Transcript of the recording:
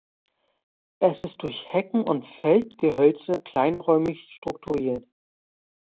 Es ist durch Hecken und Feldgehölze kleinräumig strukturiert.